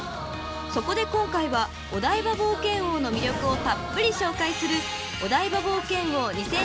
［そこで今回はお台場冒険王の魅力をたっぷり紹介する］